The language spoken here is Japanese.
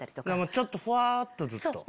ちょっとフワっとずっと。